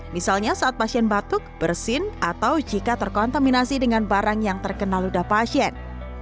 misalnya saat pasien batuk bersin atau jika terkontaminasi dengan barang yang terkena ludah pasien